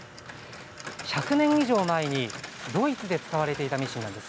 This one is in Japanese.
１００年以上前にドイツで使われていたミシンなんです。